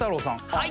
はい。